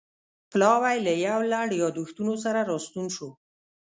پلاوی له یو لړ یادښتونو سره راستون شو.